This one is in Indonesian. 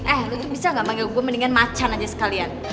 eh lo tuh bisa gak panggil gue mendingan macan aja sekalian